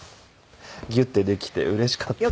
ギュッてできてうれしかった。